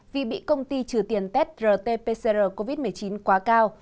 vì bị công ty trừ tiền test rt pcr covid một mươi chín quá cao